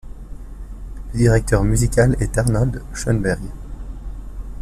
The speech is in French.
Le directeur musical est Arnold Schönberg.